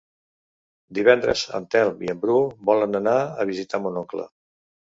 Divendres en Telm i en Bru volen anar a visitar mon oncle.